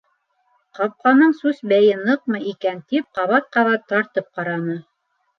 Ҡапҡаның сүс бәйе ныҡмы икән, тип ҡабат-ҡабат тартып ҡараны.